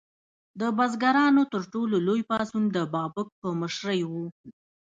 د بزګرانو تر ټولو لوی پاڅون د بابک په مشرۍ و.